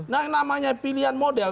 nah namanya pilihan model